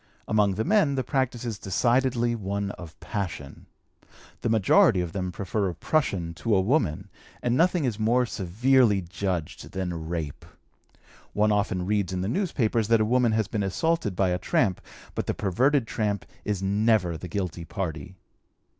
Among the men the practice is decidedly one of passion. The majority of them prefer a prushun to a woman, and nothing is more severely judged than rape. One often reads in the newspapers that a woman has been assaulted by a tramp, but the perverted tramp is never the guilty party.